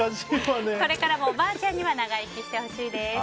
これからもおばあちゃんには長生きしてほしいです。